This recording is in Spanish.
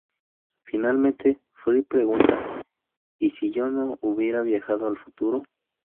Finalmente Fry pregunta: ¿Y si yo no hubiera viajado al futuro?